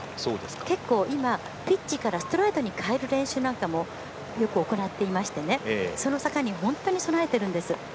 結構今、ピッチからストライドに変える練習なんかもよく行っていましてその坂に、備えているんです。